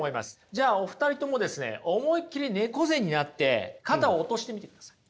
じゃあお二人ともですね思いっきり猫背になって肩を落としてみてください。